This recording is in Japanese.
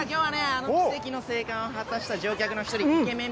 あの奇跡の生還を果たした乗客の一人イケメン